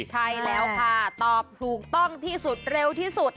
ใช่แล้วค่ะตอบถูกต้องที่สุดเร็วที่สุด